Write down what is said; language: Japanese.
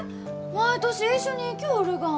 毎年一緒に行きょうるがん。